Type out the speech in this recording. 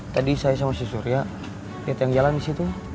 tadi saya sama si surya lihat yang jalan di situ